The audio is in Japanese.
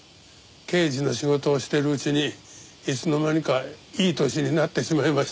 刑事の仕事をしてるうちにいつの間にかいい年になってしまいました。